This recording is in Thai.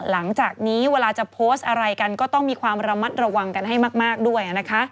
หลังจากนี้เวลาจะโพสต์อะไรกันก็ต้องมีความระมัดระวังกันให้มากด้วยนะคะ